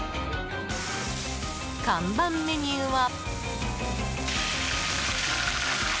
看板メニューは。